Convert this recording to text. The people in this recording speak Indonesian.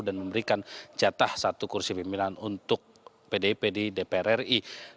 memberikan jatah satu kursi pimpinan untuk pdip di dpr ri